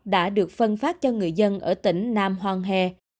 đã được phân phát cho người dân ở tỉnh nam hoàng he